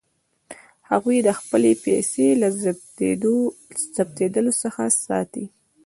هغوی خپلې پیسې له ضبظېدلو څخه ساتي.